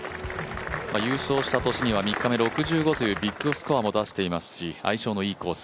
優勝した年には３日目６５というビッグスコアも出していますし相性のいいコース